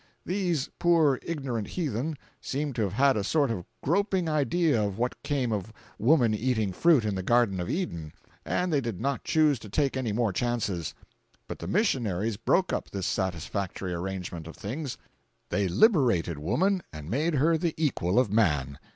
These poor ignorant heathen seem to have had a sort of groping idea of what came of woman eating fruit in the garden of Eden, and they did not choose to take any more chances. But the missionaries broke up this satisfactory arrangement of things. They liberated woman and made her the equal of man.